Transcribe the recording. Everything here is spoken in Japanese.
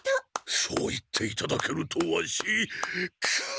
そう言っていただけるとワシくう！